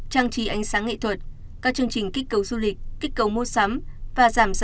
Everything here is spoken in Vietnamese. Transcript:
trang trí ánh sáng nghệ thuật các chương trình kích cầu du lịch kích cầu mô sắm